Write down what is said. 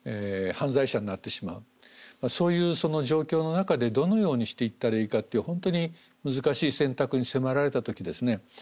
そういう状況の中でどのようにしていったらいいかって本当に難しい選択に迫られた時ですね